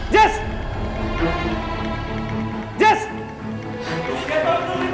jangan bohongin aku